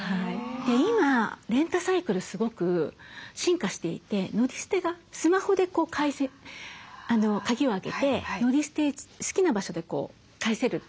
今レンタサイクルすごく進化していて乗り捨てがスマホで開栓鍵を開けて乗り捨て好きな場所で返せるというようなものも結構あるので。